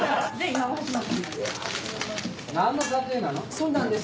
そうなんです